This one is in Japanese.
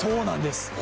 そうなんです。